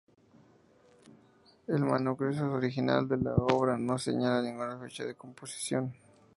El manuscrito original de la obra no señala ninguna fecha de composición.